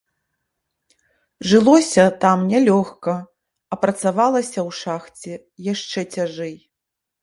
Жылося там нялёгка, а працавалася ў шахце яшчэ цяжэй.